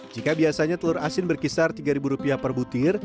jika biasanya telur asin berkisar tiga ribu rupiah per butir